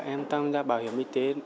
em tăng ra bảo hiểm y tế